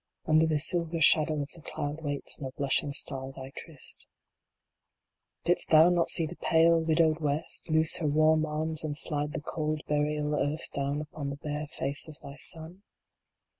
Under the silver shadow of the cloud waits no blushing star thy tryst Didst thou not see the pale, widowed West loose her warm arms and slide the cold burial earth down upon Ihe bare face of thy sun